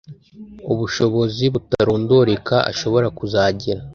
ubushobozi butarondoreka ashobora kuzagira